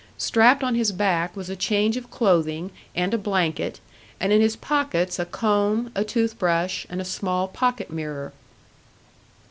Strapped on his back was a change of clothing and a blanket, and in his pockets a comb, a toothbrush, and a small pocket mirror.